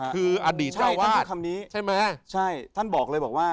คืออดีตเจ้าว่าใช่มั้ย